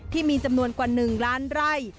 ที่มีจำนวนกว่า๑ล้านไร่